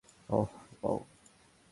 ওহ, wow!